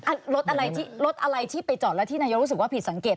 รถอะไรที่รถอะไรที่ไปจอดแล้วที่นายกรู้สึกว่าผิดสังเกต